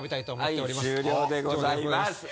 はい終了でございます。